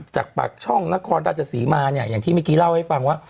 จากปากช่องนครราชศรีมาเนี่ยอย่างที่เมื่อกี้เล่าให้ฟังว่า